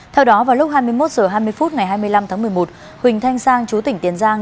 theo đó vào lúc hai mươi một h hai mươi phút ngày hai mươi năm tháng một mươi một huỳnh thanh sang chú tỉnh tiền giang